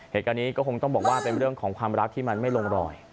เหตุการณ์นี้ก็คงต้องบอกว่าเป็นเรื่องของความรักที่มันไม่ลงรอย